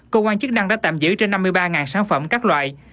cơ quan chức năng đã tạm giữ trên năm mươi ba sản phẩm các loại